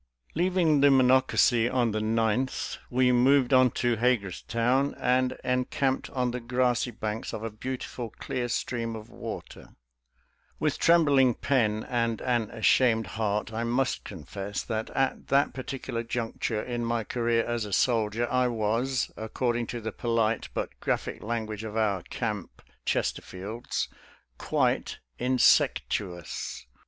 Leaving the Monocacy on the 9th, we moved on to Hagerstown, and encamped on the grassy banks of a beautiful clear stream of water With trembling pen and an ashamed heart, I must confess that at that par ticular juncture in my career as a soldier I was, according to the polite but graphic language of our camp Chesterfields, " quite insectuous."